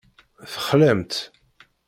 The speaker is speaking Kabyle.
Texlamt.